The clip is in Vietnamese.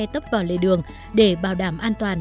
tấp vào lệ đường để bảo đảm an toàn